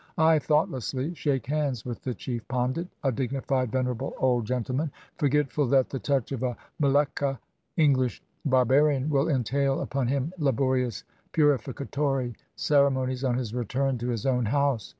I thoughtlessly shake hands with the chief Pandit, a dignified, venerable old gentle 231 INDIA man, forgetful that the touch of a Mleccha (English bar barian) will entail upon him laborious purificatory cere monies on his return to his own house.